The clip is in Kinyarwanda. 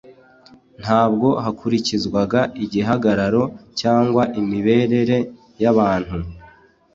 ntabwo hakurikizwaga igihagararo cyangwa imirebere y'abantu,